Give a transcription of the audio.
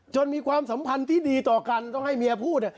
มีความสัมพันธ์ที่ดีต่อกันต้องให้เมียพูด